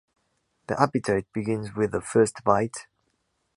The appetite begins with a first bite.